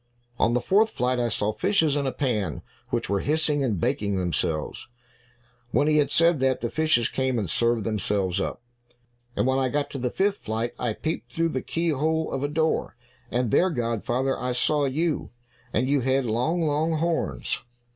"On the fourth flight, I saw fishes in a pan, which were hissing and baking themselves." When he had said that, the fishes came and served themselves up. "And when I got to the fifth flight, I peeped through the keyhole of a door, and there, godfather, I saw you, and you had long, long horns."